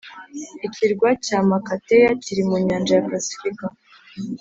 Ikirwa cya Makatea kiri mu nyanja ya Pasifika